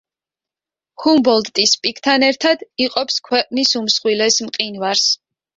ჰუმბოლდტის პიკთან ერთად იყოფს ქვეყნის უმსხვილეს მყინვარს.